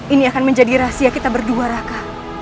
ini akan menjadi rahasia kita berdua raka